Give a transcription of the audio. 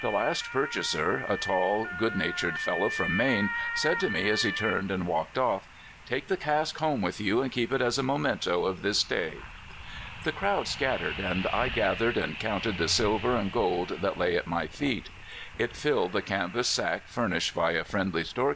The last purchaser, a tall, good natured fellow froit. Elaine, said to me as he turned and walked c ff— "Take the cask home with you, and keep it as n niemicnto of this day." The crowd scattered, and I gathered and c unted the silver and gold that lay at my feet. It filled the canvas sack furnished bv a fri^ndi} store 174 Caltfornia Traits.